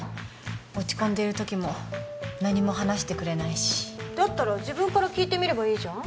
落ち込んでる時も何も話してくれないしだったら自分から聞いてみればいいじゃん